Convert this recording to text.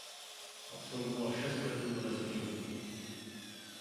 Absolvoval šest letů do vesmíru.